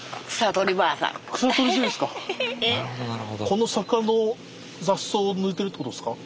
この坂の雑草を抜いてるってことですか？